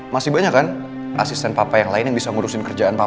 masih banyak kan asisten papa yang lain yang bisa ngurusin kerjaan